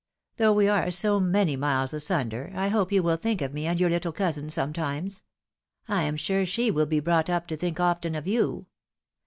Though we are so many miles asunder, I hope you wiU think of me and your httle cousin sometimes ; I am sure she will be brought up to think often of you.